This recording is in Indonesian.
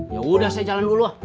ya udah saya jalan dulu lah